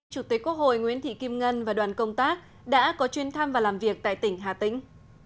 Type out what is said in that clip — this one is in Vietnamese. chủ tịch quốc hội nguyễn thị kim ngân và đoàn công tác đã có chuyên thăm và làm việc tại tỉnh hà tĩnh